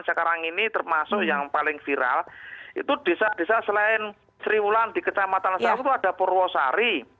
sekarang ini termasuk yang paling viral itu desa desa selain sriwulan di kecamatan sapu ada purwosari